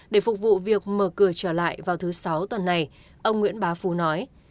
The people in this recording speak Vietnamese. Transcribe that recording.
để phục vụ việc mở cửa trở lại vào thứ sáu tuần này ông nguyễn bá phú nói